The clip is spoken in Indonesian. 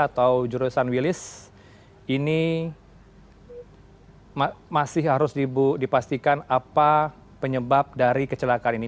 atau jurusan wilis ini masih harus dipastikan apa penyebab dari kecelakaan ini